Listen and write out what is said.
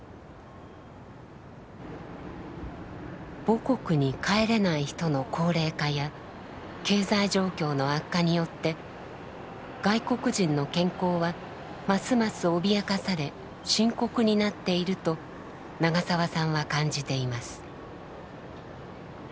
母国に帰れない人の高齢化や経済状況の悪化によって外国人の健康はますます脅かされ深刻になっていると長澤さんは感じています。